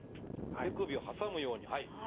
手首を挟むようにはい。